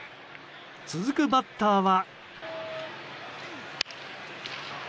続くバッターは。